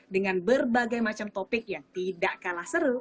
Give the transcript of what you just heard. dengan berbagai macam topik yang tidak kalah seru